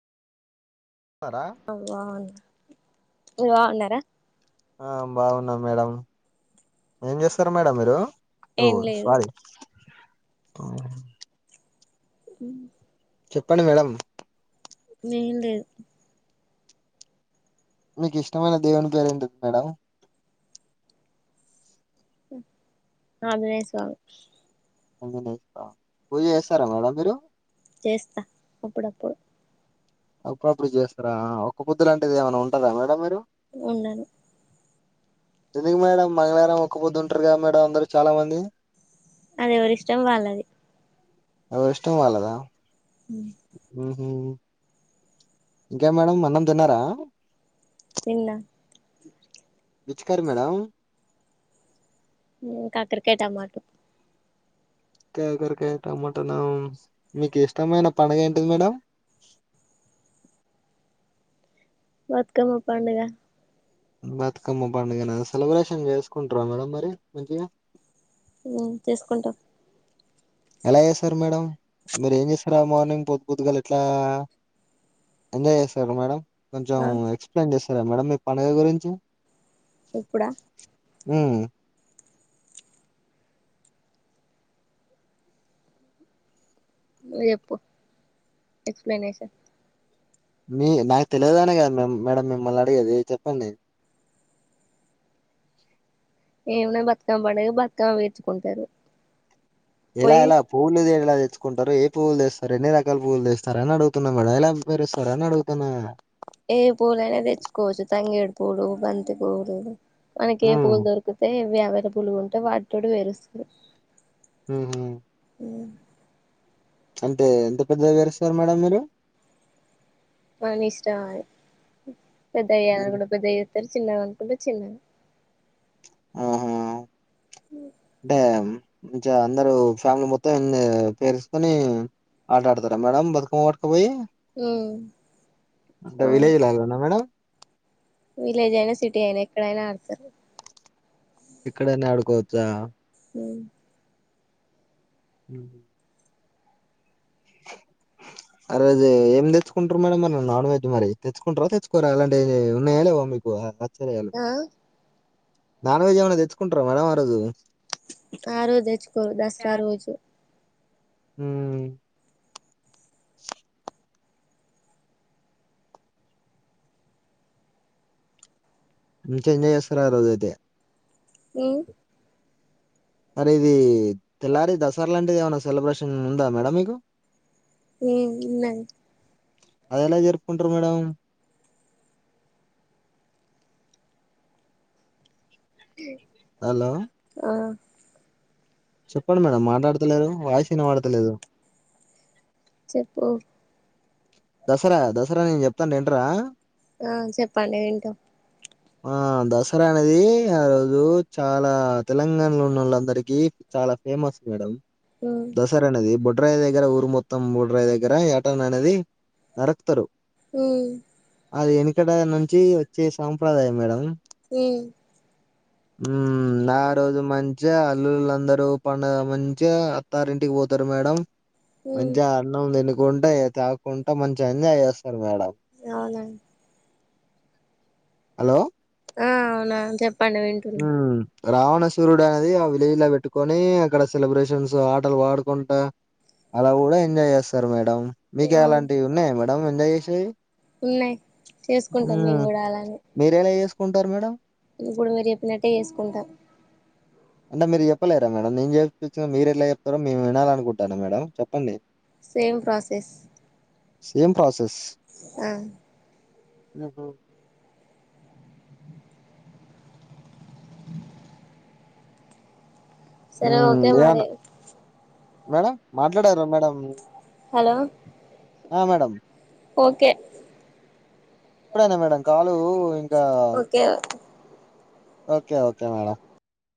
న్నారా అవ్వ ఇంగ బాగున్నారా ఆ బాగున్నా మేడం ఏం చేస్తారు మేడం మీరు డు ఏం లేదు స్వారీ ఆ ఉ చెప్పండి మేడం ఏం లేదు మీకు ఇష్టమైన దేవుని పేరేమిటి మేడం ఆంజనేయ స్వామి ఆంజనేయ స్వామ పూజ చేస్తారా మేడం మీరు చేస్తా అప్పుడప్పుడు అప్పుడప్పుడు చేస్తారా ఒక్క పొద్దు లాంటిది ఏమైన ఉంటరా మేడం మీరు ఉండను ఎందుకు మేడం మంగళవారం ఒక్కపోద్దుంటారు కదా మేడం అందరు చాలా మంది అది ఎవరిష్టం వాళ్ళది ఎవరిష్టం వాలదా ఉ ఉ ఇంకా మేడం అన్నం తిన్నారా తిన్నా విచ్ కర్రీ మేడం కాకరకాయ, టమాట కాకరకాయ టమట నా మీకు ఇష్టమైన పండగ ఏంటిది మేడం బతుకమ్మ పండగ బతుకమ్మ పండుగన సెలబ్రేషన్ చేసుకుంటార మేడం మరి మంచిగా ఉ చేసుకుంటాం ఎలా చేస్తారు మేడం మీరు ఏం చేస్తారా మార్నింగ్ పొద్దు పొద్దుగాల ఇట్లా ఎంజాయ్ చేస్తార మేడం కొంచెం ఆ ఎక్స్ప్లెయిన్ చేస్ సరే మేడం మీ పండుగ గురించి ఇప్పుడ ఉ నువ్వు చెప్పు ఎక్స్ప్లెనేషన్ మీ నాకు తెలియదనే కదా మేడం మిమ్మల్ని అడిగేది చెప్పండి ఏమనా బతుకమ్మ పండగ బతుకమ్మ వేర్చుకుంటారు ఎలా ఎలా పూవులేద ఎ ఇలా తెచ్చుకుంటారు ఏ పువ్వులు చేస్తారు ఎన్ని రకాల పువ్వులు చేస్తారని అడుగుతున్నా మేడం ఎలా పేరుస్తారు అని అడుగుతున్నా ఏ పూలైనా తెచ్చుకోవచ్చు తంగేడు పూలు, బంతి పూలు మనకి ఏ హ్మ్. పూలు దొరుకుతే వే అవైలబుల్గా ఉంటే వాటితోడు వేరుస్తరు ఉ ఉ అంటే ఎంత పెద్దగ పేరుస్తారు మేడం మీరు మన ఇష్టం అది పెద్దగ హ్మ్. ఎయ్యాలకుంటె పెద్దవి ఎత్తరు చిన్నగా అనుకుంటే చిన్నగ ఆహా డ్యాం [unintelligible] అందరు ఫ్యామిలీ మొత్తం అన్ని పేరుసుకొని ఆటడుతారా మేడం బతుకమ్మ ఆ పోయి అంటే అవును విలేజ్ లాగన మేడం విలేజ్ అయినా సిటీ అయినా ఎక్కడైనా ఆడతారు ఇక్కడైన ఆడుకోవచ్చా ఉహు అరేజె ఏం తెచ్చుకుంటారు మేడం మరి నాన్ వెజ్ మరి తెచ్చుకుంటారా తెచ్చుకోరా అలాంటి ఉన్నాయా లేవా మీకు ఆశ్చర్యాలు ఆ నాన్ వెజ్ ఏమైనా దెచ్చుకుంటారా మేడం ఆ రోజు ఆ రోజు దెచ్చుకోరు దసరా రోజు ఊ మంచిగా ఎంజాయ్ జేస్తారు ఆ రోజు అయితే ఏ మరి ఇది తెల్లారి దసరా లాంటిది ఏమైనా సెలబ్రేషన్ ఉందా మేడం మీకు ఉ ఉన్నాయ్ అదేలా జరుపుకుంటారు మేడం హలో ఆ చెప్పండి మేడం మాట్లాడతలేరు వాయిస్ వినబడతలేదు చెప్పు దసరా దసరా నేను జొప్తా ఇంటరా ఆ చెప్పండి వింట ఆ దసరా అనేది ఆ రోజు చాలా తెలంగాణలో ఉన్న వాళ్ళందరికి చాలా ఫేమస్ మేడం ఉమ్ దసరా అనేది బొడ్ బొడ్రాయి దగ్గర ఊరు మొత్తం బొడ్రాయి దగ్గర ఏటన్ అనేది నరక్తరు ఉ అది వెనుకడ నుంచి వచ్చే సాంప్రదాయం మేడం ఉ ఉ ఆ రోజు మంచిగా అల్లులందరు పండుగ మంచిగా అత్తారింటికి పోతారు మేడం ఉమ్ మంచిగా అన్నం దినిక్ ఉంటాయి కదా తాగు కుంట మంచిగా ఎంజాయ్ జేస్ అవునా అలో ఆ అవునా జెప్ పండి వింటున్న రావణసూరుడు అది ఆ విలేజ్ లో పెట్టుకొని అక్కడ సెలబ్రేషన్స్ ఆటలు పాడుకుంటా అలా కూడా ఎంజాయ్ చేస్తారు మరి మీకు అవును అలాంటివి ఉన్నాయా మేడం ఎంజాయ్ చేసేవి ఉన్నాయి ఉ చేసుకుంటాం మేము కూడా అలానే మీరు ఎలా చేస్ కుంటారు మేడం ఇప్పుడు మీరు చెప్పినట్టే చేసుకుంటాం అంటే మీరు చెప్పలేరా మేడం నేను చెప్పిన మీరు ఎట్లా చెప్తారో మేము వినాలనుకుంటాను మేడం చెప్పండి సేమ్ ప్రాసెస్ సేమ్ ప్రాసెస్ ఆ ఓహో సరే హ్మ్. ఓకే మరి ఏమన్నా మేడం మాట్లాడారా మేడం హలో ఆ మేడం ఓకే ఇప్పుడేనా మేడం కాలు ఇంకా ఓకే ఓకే ఓకే మేడం